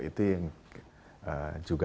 itu yang juga